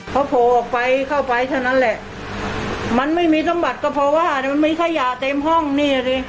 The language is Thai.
เขาโผล่ออกไปเข้าไปเท่านั้นแหละมันไม่มีสมบัติก็เพราะว่ามันมีขยะเต็มห้องนี่ดิ